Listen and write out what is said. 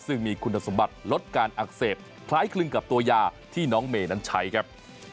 ซึ่งมีคุณสมบัติลดการอักเสบคล้ายคลึงกับตัวยาที่น้องเมย์นั้นใช้ครับ